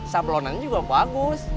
sablonannya juga bagus